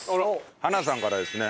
はなさんからですね。